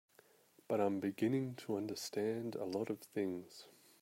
But I'm beginning to understand a lot of things.